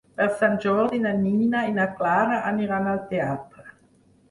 Per Sant Jordi na Nina i na Clara aniran al teatre.